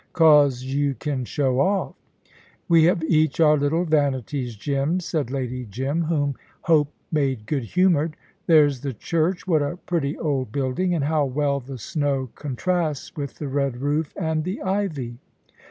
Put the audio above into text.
"'Cause you can show off." "We have each our little vanities, Jim," said Lady Jim, whom hope made good humoured. "There's the church what a pretty old building, and how well the snow contrasts with the red roof and the ivy!"